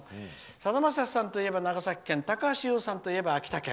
「さだまさしさんといえば長崎県高橋優さんといえば秋田県。